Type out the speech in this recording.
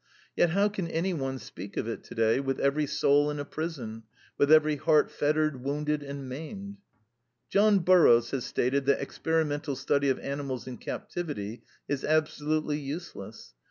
Yet, how can any one speak of it today, with every soul in a prison, with every heart fettered, wounded, and maimed? John Burroughs has stated that experimental study of animals in captivity is absolutely useless.